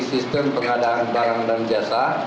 sistem pengadaan barang dan jasa